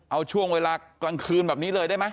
เอาช่วงเวลากลางคืนแบบนี้เลยได้ไหม